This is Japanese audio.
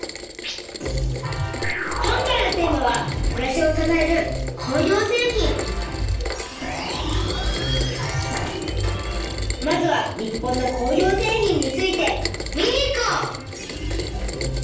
今回のテーマはまずは日本の工業製品について見に行こう！